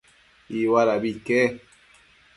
Iuadabi ique